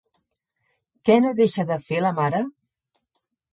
Què no deixa de fer, la mare?